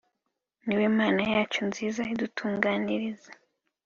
ni we mana yacu nziza idutunganiriza